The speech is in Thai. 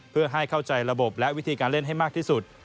เพื่อให้เข้าใจระบบและวิธีการเล่นให้มากที่สุด